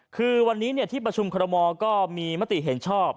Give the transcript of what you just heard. คือวันนี้ที่ประชุมคอรมอลก็มีมติเห็นชอบ